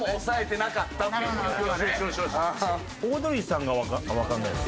「オードリーさんがわかんないです」。